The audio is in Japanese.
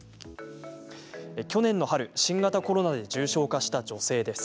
去年の春、新型コロナで重症化した女性です。